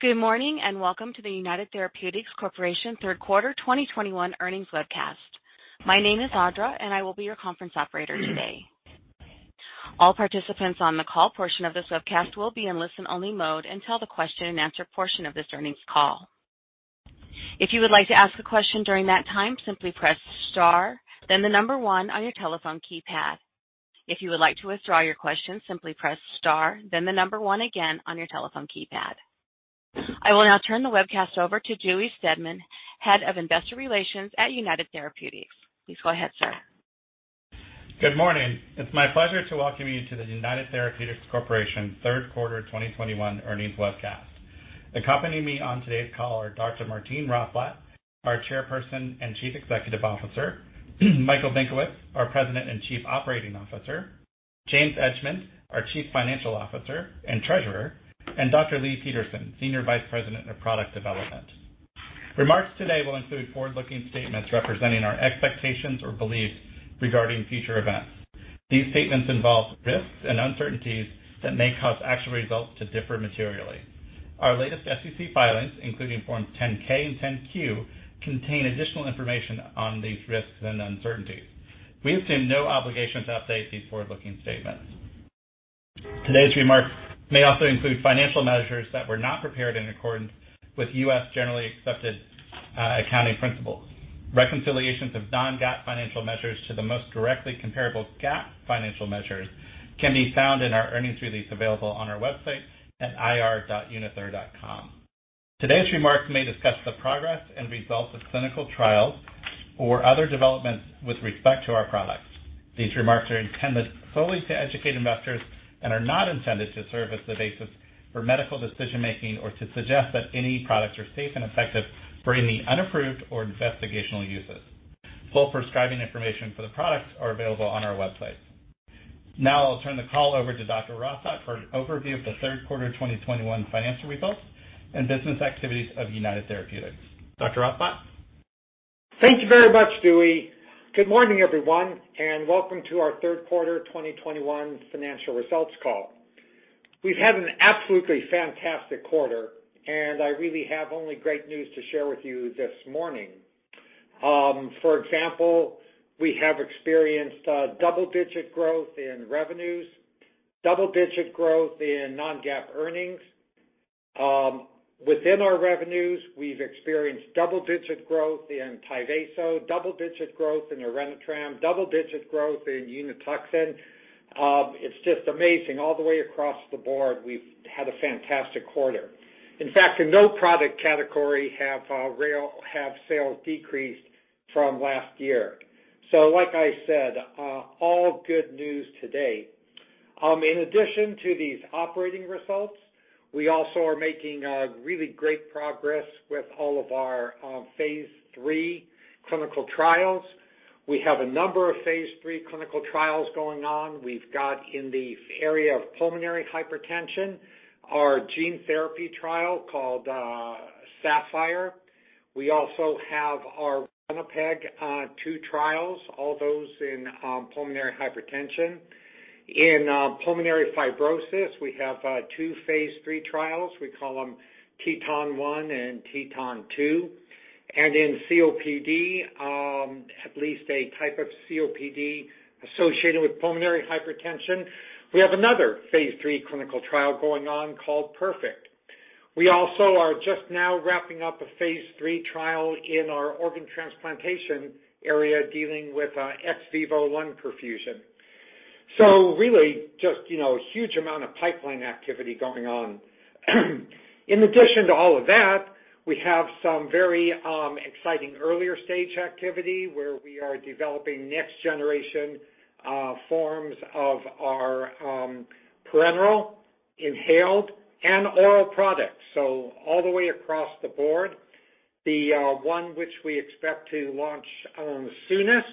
Good morning, and welcome to the United Therapeutics Corporation third quarter 2021 earnings webcast. My name is Audra, and I will be your conference operator today. All participants on the call portion of this webcast will be in listen-only mode until the question-and-answer portion of this earnings call. If you would like to ask a question during that time, simply press star, then the number one on your telephone keypad. If you would like to withdraw your question, simply press star, then the number one again on your telephone keypad. I will now turn the webcast over to Dewey Steadman, Head of Investor Relations at United Therapeutics. Please go ahead, sir. Good morning. It's my pleasure to welcome you to the United Therapeutics Corporation third quarter 2021 earnings webcast. Accompanying me on today's call are Dr. Martine Rothblatt, our Chairperson and Chief Executive Officer, Michael Benkowitz, our President and Chief Operating Officer, James Edgemond, our Chief Financial Officer and Treasurer, and Dr. Leigh Peterson, Senior Vice President of Product Development. Remarks today will include forward-looking statements representing our expectations or beliefs regarding future events. These statements involve risks and uncertainties that may cause actual results to differ materially. Our latest SEC filings, including Forms 10-K and 10-Q, contain additional information on these risks and uncertainties. We assume no obligation to update these forward-looking statements. Today's remarks may also include financial measures that were not prepared in accordance with U.S. generally accepted accounting principles. Reconciliations of non-GAAP financial measures to the most directly comparable GAAP financial measures can be found in our earnings release available on our website at ir.unither.com. Today's remarks may discuss the progress and results of clinical trials or other developments with respect to our products. These remarks are intended solely to educate investors and are not intended to serve as the basis for medical decision-making or to suggest that any products are safe and effective for any unapproved or investigational uses. Full prescribing information for the products are available on our website. Now, I'll turn the call over to Dr. Rothblatt for an overview of the third quarter 2021 financial results and business activities of United Therapeutics. Dr. Rothblatt? Thank you very much, Dewey. Good morning, everyone, and welcome to our third quarter 2021 financial results call. We've had an absolutely fantastic quarter, and I really have only great news to share with you this morning. For example, we have experienced double-digit growth in revenues, double-digit growth in non-GAAP earnings. Within our revenues, we've experienced double-digit growth in Tyvaso, double-digit growth in Orenitram, double-digit growth in Unituxin. It's just amazing. All the way across the board, we've had a fantastic quarter. In fact, in no product category have sales decreased from last year. Like I said, all good news today. In addition to these operating results, we also are making really great progress with all of our phase 3 clinical trials. We have a number of phase 3 clinical trials going on. We've got in the area of pulmonary hypertension, our gene therapy trial called SAPPHIRE. We also have our ralinepag 2 trials, all those in pulmonary hypertension. In pulmonary fibrosis, we have two phase 3 trials. We call them TETON-1 and TETON-2. In COPD, at least a type of COPD associated with pulmonary hypertension, we have another phase 3 clinical trial going on called PERFECT. We also are just now wrapping up a phase 3 trial in our organ transplantation area dealing with ex vivo lung perfusion. Really, just, you know, a huge amount of pipeline activity going on. In addition to all of that, we have some very exciting earlier stage activity where we are developing next generation forms of our parenteral, inhaled, and oral products, so all the way across the board. The one which we expect to launch soonest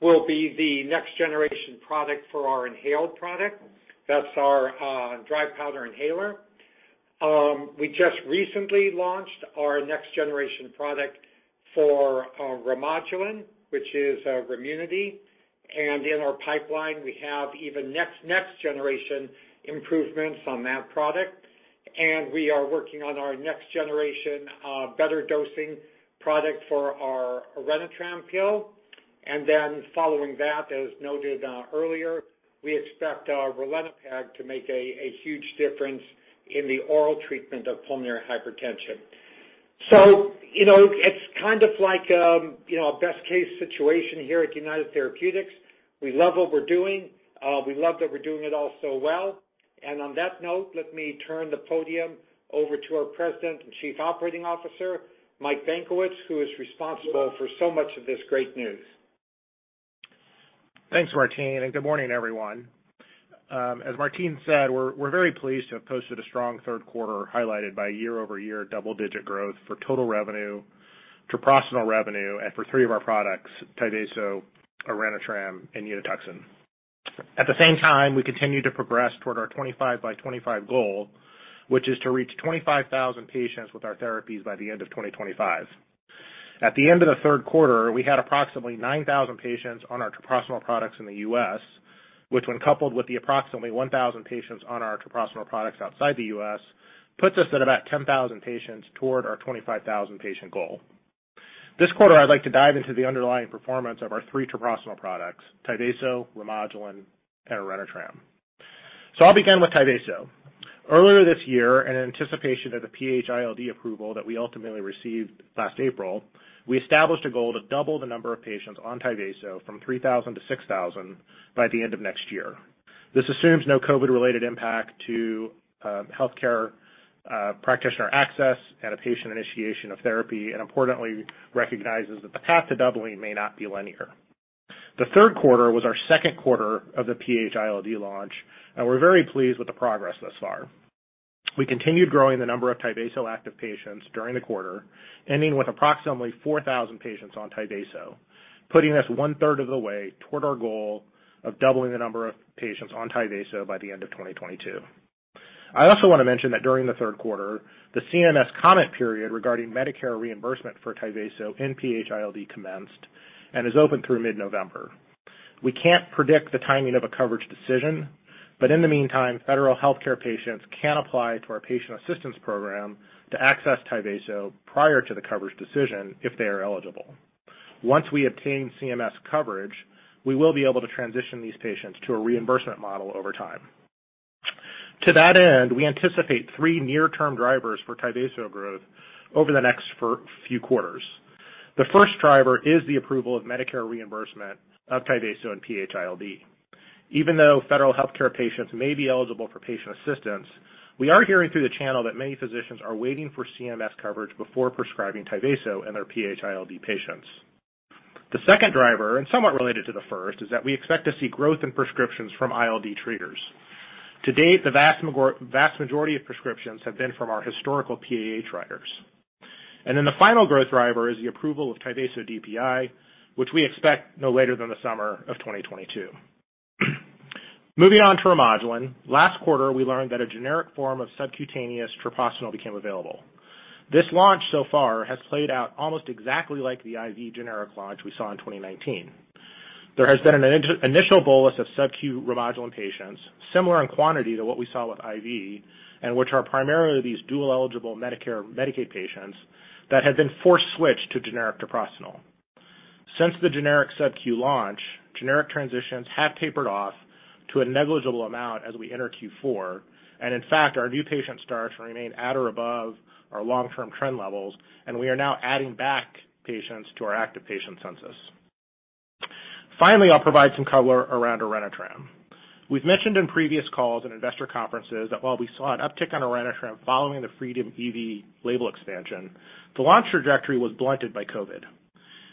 will be the next generation product for our inhaled product. That's our dry powder inhaler. We just recently launched our next generation product for Remodulin, which is our Remunity, and in our pipeline, we have even next generation improvements on that product. We are working on our next generation better dosing product for our Orenitram pill. Then following that, as noted earlier, we expect our ralinepag to make a huge difference in the oral treatment of pulmonary hypertension. You know, it's kind of like, you know, a best case situation here at United Therapeutics. We love what we're doing, we love that we're doing it all so well. On that note, let me turn the podium over to our President and Chief Operating Officer, Mike Benkowitz, who is responsible for so much of this great news. Thanks, Martine, and good morning, everyone. As Martine said, we're very pleased to have posted a strong third quarter highlighted by year-over-year double-digit growth for total revenue, treprostinil revenue and for three of our products, Tyvaso, Orenitram, and Unituxin. At the same time, we continue to progress toward our 25 by 25 goal, which is to reach 25,000 patients with our therapies by the end of 2025. At the end of the third quarter, we had approximately 9,000 patients on our treprostinil products in the U.S., which when coupled with the approximately 1,000 patients on our treprostinil products outside the U.S., puts us at about 10,000 patients toward our 25,000 patient goal. This quarter, I'd like to dive into the underlying performance of our three treprostinil products, Tyvaso, Remodulin, and Orenitram. I'll begin with Tyvaso. Earlier this year, in anticipation of the PH-ILD approval that we ultimately received last April, we established a goal to double the number of patients on Tyvaso from 3,000 to 6,000 by the end of next year. This assumes no COVID-related impact to healthcare practitioner access and a patient initiation of therapy, and importantly, recognizes that the path to doubling may not be linear. The third quarter was our second quarter of the PH-ILD launch, and we're very pleased with the progress thus far. We continued growing the number of Tyvaso-active patients during the quarter, ending with approximately 4,000 patients on Tyvaso, putting us one-third of the way toward our goal of doubling the number of patients on Tyvaso by the end of 2022. I also want to mention that during the third quarter, the CMS comment period regarding Medicare reimbursement for Tyvaso in PH-ILD commenced and is open through mid-November. We can't predict the timing of a coverage decision, but in the meantime, federal healthcare patients can apply to our patient assistance program to access Tyvaso prior to the coverage decision if they are eligible. Once we obtain CMS coverage, we will be able to transition these patients to a reimbursement model over time. To that end we anticipate three near-term drivers for Tyvaso growth over the next few quarters. The first driver is the approval of Medicare reimbursement of Tyvaso in PH-ILD. Even though federal healthcare patients may be eligible for patient assistance, we are hearing through the channel that many physicians are waiting for CMS coverage before prescribing Tyvaso in their PH-ILD patients. The second driver, and somewhat related to the first, is that we expect to see growth in prescriptions from ILD treaters. To date, the vast majority of prescriptions have been from our historical PAH prescribers. The final growth driver is the approval of Tyvaso DPI, which we expect no later than the summer of 2022. Moving on to Remodulin. Last quarter, we learned that a generic form of subcutaneous treprostinil became available. This launch so far has played out almost exactly like the IV generic launch we saw in 2019. There has been an initial bolus of subq Remodulin patients, similar in quantity to what we saw with IV, and which are primarily these dual-eligible Medicare, Medicaid patients that have been force-switched to generic treprostinil. Since the generic subq launch, generic transitions have tapered off to a negligible amount as we enter Q4. In fact, our new patient starts remain at or above our long-term trend levels, and we are now adding back patients to our active patient census. Finally, I'll provide some color around Orenitram. We've mentioned in previous calls and investor conferences that while we saw an uptick on Orenitram following the FREEDOM-EV label expansion, the launch trajectory was blunted by COVID.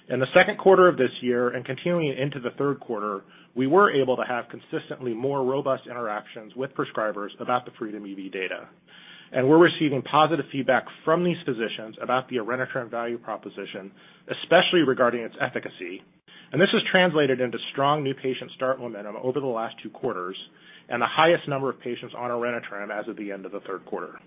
In the second quarter of this year and continuing into the third quarter, we were able to have consistently more robust interactions with prescribers about the FREEDOM-EV data. We're receiving positive feedback from these physicians about the Orenitram value proposition, especially regarding its efficacy. This has translated into strong new patient start momentum over the last two quarters and the highest number of patients on Orenitram as of the end of the third quarter.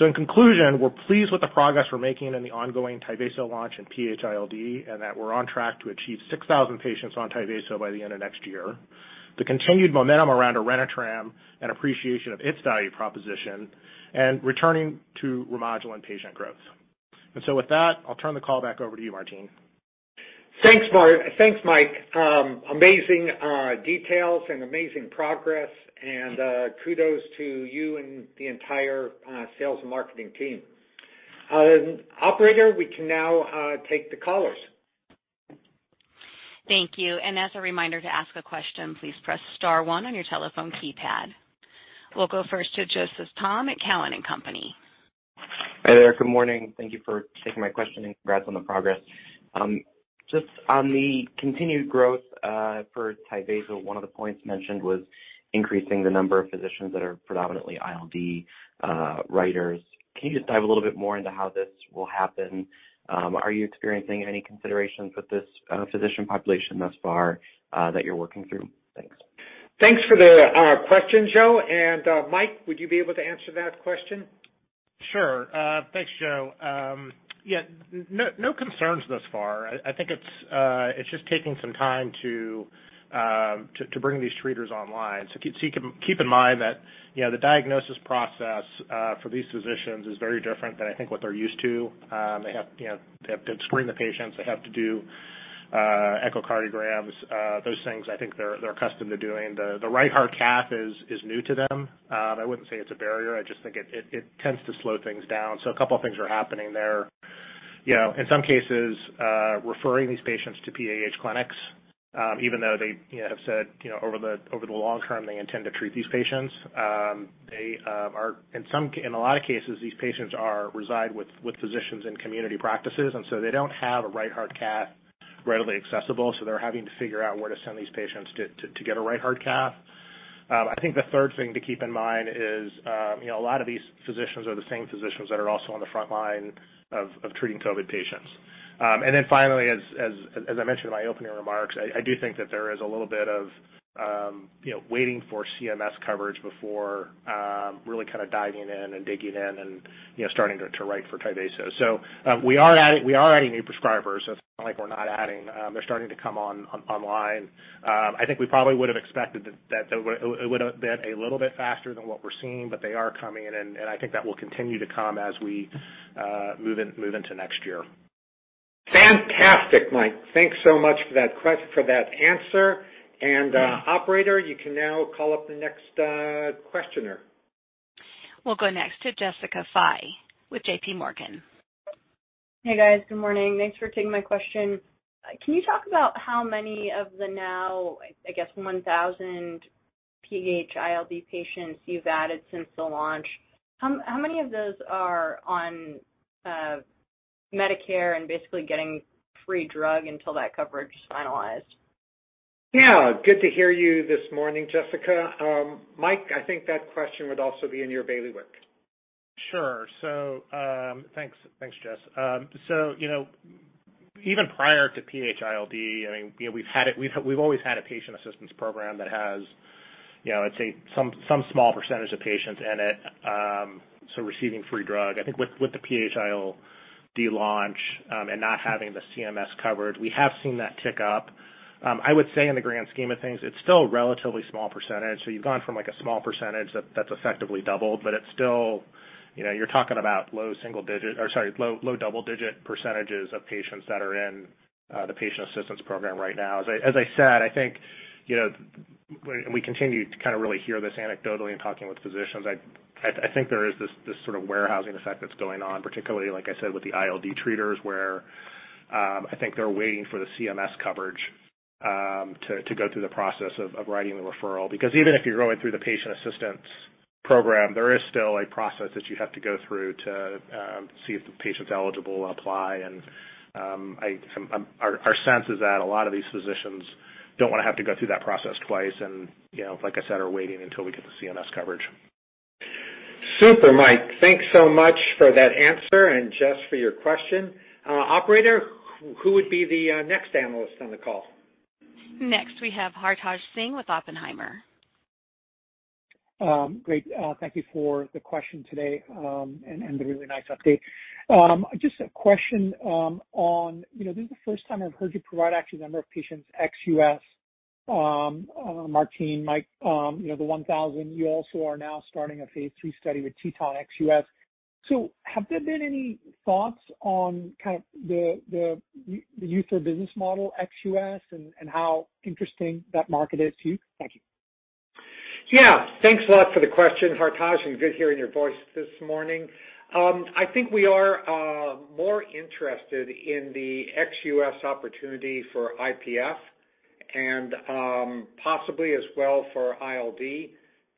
In conclusion, we're pleased with the progress we're making in the ongoing Tyvaso launch in PH-ILD, and that we're on track to achieve 6,000 patients on Tyvaso by the end of next year, the continued momentum around Orenitram and appreciation of its value proposition and returning to Remodulin patient growth. With that, I'll turn the call back over to you, Martine. Thanks, Mike. Amazing details and amazing progress, and kudos to you and the entire sales and marketing team. Operator, we can now take the callers. Thank you. As a reminder to ask a question, please press star one on your telephone keypad. We'll go first to Joseph Thome at Cowen and Company. Hi there. Good morning. Thank you for taking my question, and congrats on the progress. Just on the continued growth for Tyvaso, one of the points mentioned was increasing the number of physicians that are predominantly ILD writers. Can you just dive a little bit more into how this will happen? Are you experiencing any considerations with this physician population thus far that you're working through? Thanks. Thanks for the question, Joe. Mike, would you be able to answer that question? Sure. Thanks, Joe. Yeah, no concerns thus far. I think it's just taking some time to bring these treaters online. Keep in mind that, you know, the diagnosis process for these physicians is very different than I think what they're used to. They have, you know, they have to screen the patients, they have to do echocardiograms, those things I think they're accustomed to doing. The right heart cath is new to them. I wouldn't say it's a barrier. I just think it tends to slow things down. A couple of things are happening there. You know, in some cases, referring these patients to PAH clinics, even though they, you know, have said, you know, over the long term, they intend to treat these patients. They are in a lot of cases, these patients reside with physicians in community practices, and so they don't have a right heart cath readily accessible, so they're having to figure out where to send these patients to get a right heart cath. I think the third thing to keep in mind is, you know, a lot of these physicians are the same physicians that are also on the front line of treating COVID patients. Finally, as I mentioned in my opening remarks, I do think that there is a little bit of, you know, waiting for CMS coverage before really kinda diving in and digging in and, you know, starting to write for Tyvaso. We are adding new prescribers. It's not like we're not adding. They're starting to come online. I think we probably would've expected that it would've been a little bit faster than what we're seeing, but they are coming and I think that will continue to come as we move into next year. Fantastic, Mike. Thanks so much for that answer. Operator, you can now call up the next questioner. We'll go next to Jessica Fye with JPMorgan. Hey, guys. Good morning. Thanks for taking my question. Can you talk about how many of the now, I guess 1,000 PH-ILD patients you've added since the launch, how many of those are on Medicare and basically getting free drug until that coverage is finalized? Yeah. Good to hear you this morning, Jessica. Mike, I think that question would also be in your bailiwick. Thanks, Jess. You know, even prior to PH-ILD, I mean, you know, we've always had a patient assistance program that has, you know, I'd say some small percentage of patients in it, so receiving free drug. I think with the PH-ILD launch, and not having the CMS coverage, we have seen that tick up. I would say in the grand scheme of things it's still a relatively small percentage. You've gone from like a small percentage that's effectively doubled, but it's still, you know, you're talking about low single digit or sorry, low double digit percentages of patients that are in the patient assistance program right now. As I said, I think, you know, when we continue to kind of really hear this anecdotally in talking with physicians, I think there is this sort of warehousing effect that's going on, particularly, like I said, with the ILD treaters where I think they're waiting for the CMS coverage to go through the process of writing the referral. Because even if you're going through the patient assistance program, there is still a process that you have to go through to see if the patient's eligible to apply. Our sense is that a lot of these physicians don't wanna have to go through that process twice and, you know, like I said, are waiting until we get the CMS coverage. Super, Mike. Thanks so much for that answer and Jess for your question. Operator, who would be the next analyst on the call? Next, we have Hartaj Singh with Oppenheimer. Great. Thank you for the question today, and the really nice update. Just a question on you know, this is the first time I've heard you provide actually the number of patients ex-U.S., Martine, Mike, you know, the 1,000. You also are now starting a phase 3 study with TETON ex-U.S. So have there been any thoughts on kind of the use of business model ex-U.S. and how interesting that market is to you? Thank you. Yeah. Thanks a lot for the question, Hartaj, and good to hear your voice this morning. I think we are more interested in the ex-U.S. opportunity for IPF and possibly as well for ILD.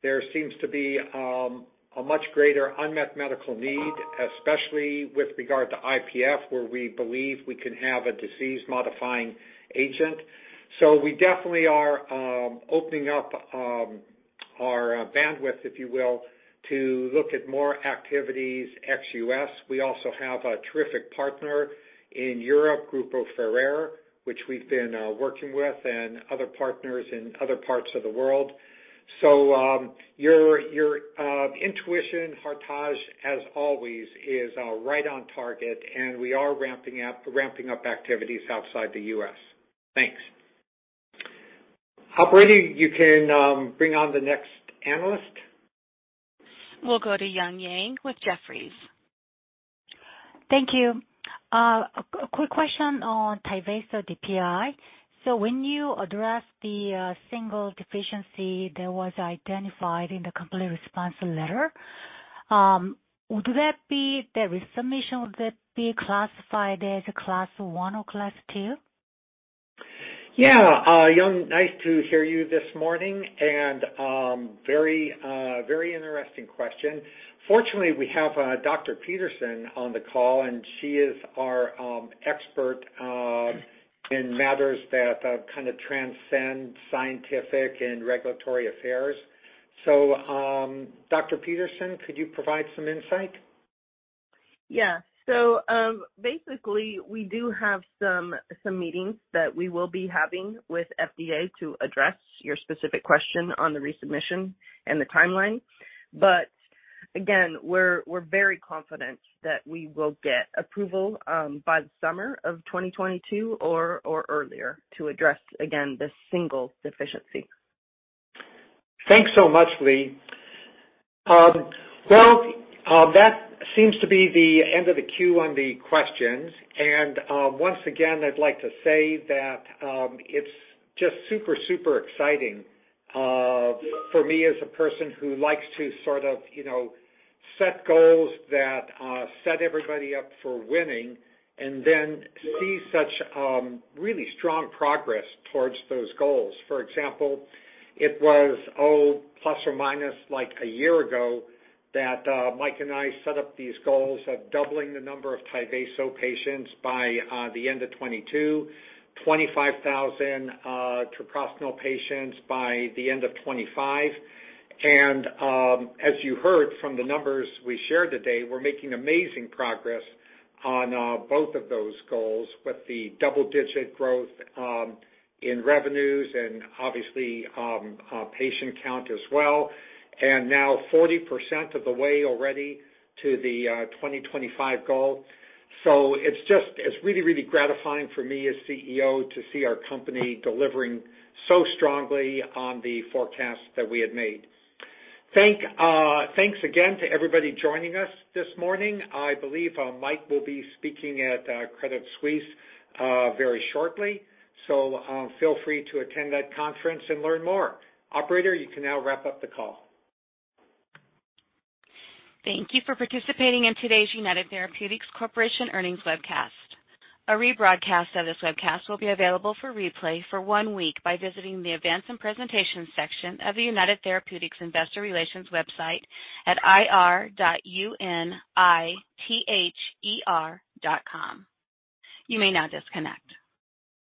There seems to be a much greater unmet medical need, especially with regard to IPF, where we believe we can have a disease-modifying agent. We definitely are opening up our bandwidth, if you will, to look at more activities ex-U.S. We also have a terrific partner in Europe, Grupo Ferrer, which we've been working with and other partners in other parts of the world. Your intuition, Hartaj, as always, is right on target and we are ramping up activities outside the U.S. Thanks. Operator, you can bring on the next analyst. We'll go to Eun Yang with Jefferies. Thank` you. A quick question on Tyvaso DPI. When you address the single deficiency that was identified in the complete response letter, would the resubmission be classified as a Class I or Class II? Yeah. Eun, nice to hear you this morning, and very interesting question. Fortunately, we have Dr. Peterson on the call, and she is our expert in matters that kinda transcend scientific and regulatory affairs. Dr. Peterson, could you provide some insight? Yeah. Basically, we do have some meetings that we will be having with FDA to address your specific question on the resubmission and the timeline. Again, we're very confident that we will get approval by the summer of 2022 or earlier to address, again, this single deficiency. Thanks so much, Leigh. Well, that seems to be the end of the queue on the questions. Once again, I'd like to say that it's just super exciting for me as a person who likes to sort of, you know, set goals that set everybody up for winning and then see such really strong progress towards those goals. For example, it was plus or minus like a year ago that Mike and I set up these goals of doubling the number of Tyvaso patients by the end of 2022, 25,000 treprostinil patients by the end of 2025. As you heard from the numbers we shared today, we're making amazing progress on both of those goals with the double-digit growth in revenues and obviously patient count as well, and now 40% of the way already to the 2025 goal. It's just, it's really, really gratifying for me as CEO to see our company delivering so strongly on the forecast that we had made. Thanks again to everybody joining us this morning. I believe Mike will be speaking at Credit Suisse very shortly. Feel free to attend that conference and learn more. Operator, you can now wrap up the call. Thank you for participating in today's United Therapeutics Corporation earnings webcast. A rebroadcast of this webcast will be available for replay for one week by visiting the Events and Presentations section of the United Therapeutics investor relations website at ir.unither.com. You may now disconnect.